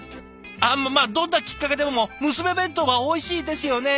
あっままあどんなきっかけでも娘弁当はおいしいですよね？